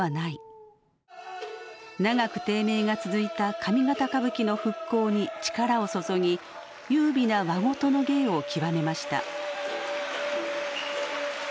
長く低迷が続いた上方歌舞伎の復興に力を注ぎ優美な和事の芸を極めました。